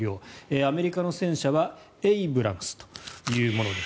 アメリカの戦車はエイブラムスというものです。